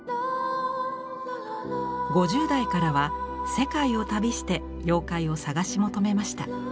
５０代からは世界を旅して妖怪を探し求めました。